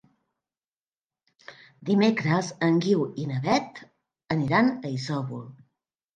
Dimecres en Guiu i na Beth aniran a Isòvol.